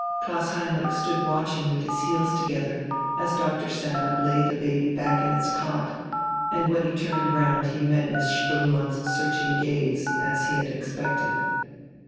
Klaus Heinrich stood watching with his heels together as Doctor Sammet laid the baby back in its cot, and when he turned round he met Miss Spoelmann's searching gaze, as he had expected.